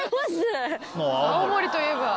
青森といえば。